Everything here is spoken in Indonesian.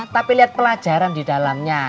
tapi lihat pelajaran di dalamnya